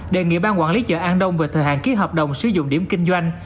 đề nghị ban quản lý chợ an đông về thời hạn ký hợp đồng sử dụng điểm kinh doanh